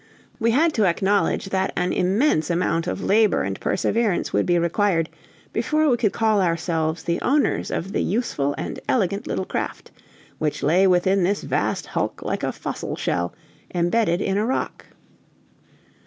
We had to acknowledge than an immense amount of labor and perseverance would be required before we could call ourselves the owners of the useful and elegant little craft, which lay within this vast hulk like a fossil shell embedded in a rock.